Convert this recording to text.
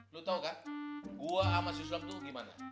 lu tau kan gua sama si sulam tuh gimana